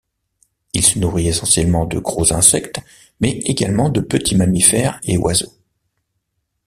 Il se nourrit essentiellement de gros insectes mais également de petits mammifères et oiseaux.